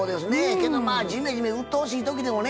けどまあじめじめうっとうしい時でもね